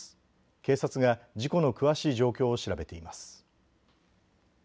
警察が事故の詳しい状況を調べています。